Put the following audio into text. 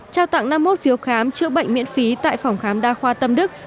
trao tặng năm mươi một phiếu khám chữa bệnh miễn phí tại phòng khám đa khoa tâm đức